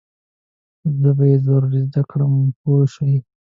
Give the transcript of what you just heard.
زه به یې ضرور زده کړم پوه شوې!.